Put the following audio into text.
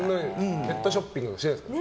ネットショッピングもしないんですか？